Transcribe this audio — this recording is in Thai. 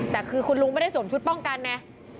แต่คือคุณลุงไม่ได้สวมชุดป้องกันไง